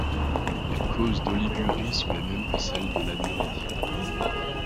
Les causes d'oligurie sont les mêmes que celle de l'anurie.